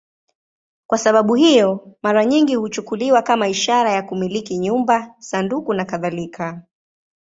Kwa sababu hiyo, mara nyingi huchukuliwa kama ishara ya kumiliki nyumba, sanduku nakadhalika.